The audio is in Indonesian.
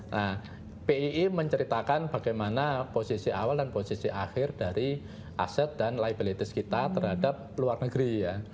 nah pii menceritakan bagaimana posisi awal dan posisi akhir dari aset dan liabilities kita terhadap luar negeri ya